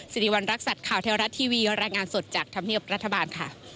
สิริวัณรักษัตริย์ข่าวเทวรัฐทีวีรายงานสดจากธรรมเนียบรัฐบาลค่ะ